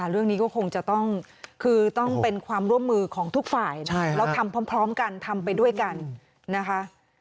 เรื่องนี้ก็คงจะต้องคือต้องเป็นความร่วมมือของทุกฝ่ายนะแล้วทำพร้อมกันทำไปด้วยกันนะคะ